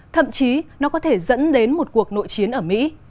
thậm chí nó có thể dẫn đến một cuộc nội chiến ở mỹ